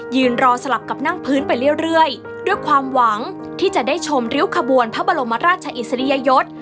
ยืนรอสลับกับนั่งพื้นไปเรื่อยด้วยความหวังที่จะได้ชมริ้วขบวนพระบรมราชอิสริยยศ